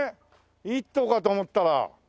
１頭かと思ったら。